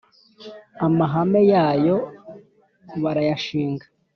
amahame yayo barayashinga